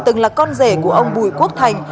từng là con rể của ông bùi quốc thành